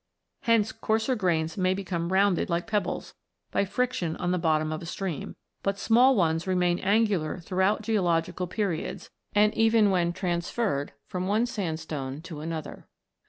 Hence coarser grains may become rounded like pebbles, by friction on the bottom of a stream ; but small ones remain angular throughout geological periods, and even when transferred from one sand stone to another.